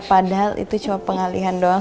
padahal itu cuma pengalihan doang